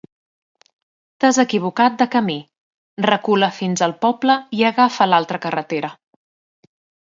T'has equivocat de camí: recula fins al poble i agafa l'altra carretera.